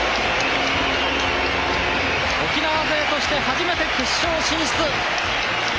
沖縄勢として初めて決勝進出！